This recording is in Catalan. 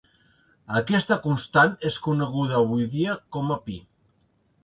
Aquesta constant és coneguda avui dia com a pi.